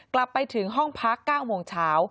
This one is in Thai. กลับไปถึงห้องพัก๙โมงเช้า